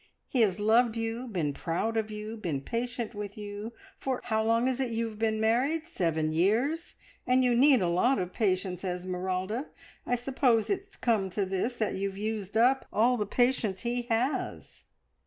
He has loved you, been proud of you, been patient with you for how long is it you have been married? Seven years, and you need a lot of patience, Esmeralda! I suppose it's come to this that you've used up all the patience he has."